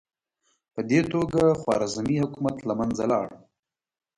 په دې توګه خوارزمي حکومت له منځه لاړ.